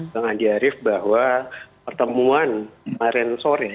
bang andi arief bahwa pertemuan kemarin sore